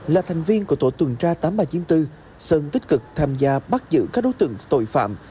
là thành viên của tổ tuần tra tám nghìn ba trăm chín mươi bốn sơn tích cực tham gia bắt giữ các đối tượng tội phạm